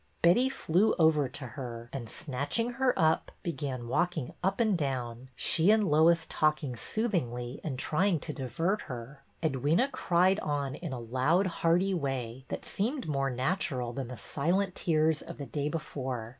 Betty flew over to her, and, snatching her up, began walking up and down, she and Lois talking soothingly and trying to divert her. Ed wyna cried on in a loud, hearty way that seemed more natural than the silent tears of the day before.